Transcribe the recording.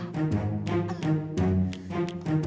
kamu harus ikut si ipa